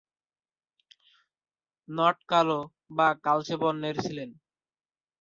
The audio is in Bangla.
নট কালো বা কালচে বর্ণের ছিলেন।